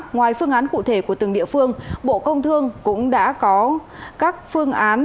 ngoài phương án cụ thể của từng địa phương bộ công thương cũng đã có các phương án